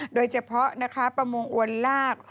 โดยเฉพาะนะคะประมงอวนลาก